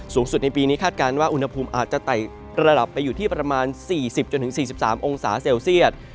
สูงสุดในปีนี้คาดการณ์ว่าอุณหภูมิอาจจะไต่ระดับไปอยู่ที่ประมาณ๔๐๔๓องศาเซลเซียต